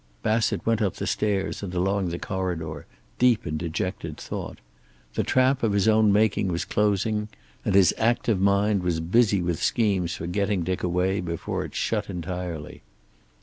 Bassett went up the stairs and along the corridor, deep in dejected thought. The trap of his own making was closing, and his active mind was busy with schemes for getting Dick away before it shut entirely.